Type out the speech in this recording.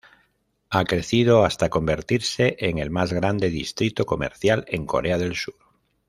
Ha crecido hasta convertirse en el más grande distrito comercial en Corea del Sur.